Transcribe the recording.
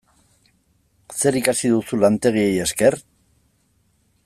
Zer ikasi duzu lantegiei esker?